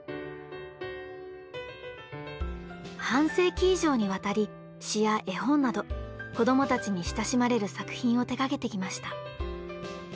半世紀以上にわたり詩や絵本など子どもたちに親しまれる作品を手がけてきました。